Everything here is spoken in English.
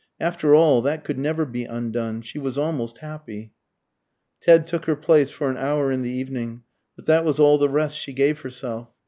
After all, that could never be undone. She was almost happy. Ted took her place for an hour in the evening, but that was all the rest she gave herself.